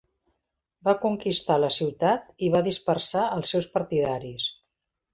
Va conquistar la ciutat i va dispersar els seus partidaris.